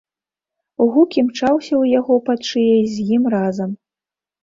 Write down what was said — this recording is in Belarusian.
Гук імчаўся ў яго пад шыяй з ім разам.